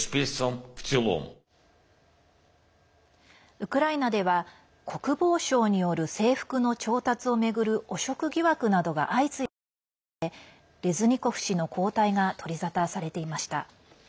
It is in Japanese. ウクライナでは国防省による制服の調達を巡る汚職疑惑などが相次いで伝えられレズニコフ氏の交代が取り沙汰されていました。